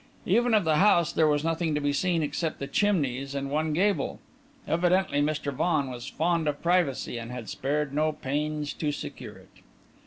Even of the house, there was nothing to be seen except the chimneys and one gable. Evidently, Mr. Vaughan was fond of privacy, and had spared no pains to secure it.